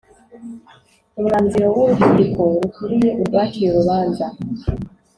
Umwanziro w Urukiko rukuriye urwaciye urubanza